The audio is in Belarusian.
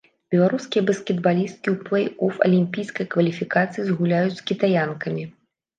Беларускія баскетбалісткі ў плэй-оф алімпійскай кваліфікацыі згуляюць з кітаянкамі.